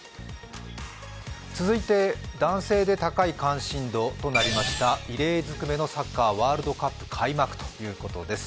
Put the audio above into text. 続いて、男性で高い関心度となりました異例ずくめのサッカーワールドカップ開幕ということです。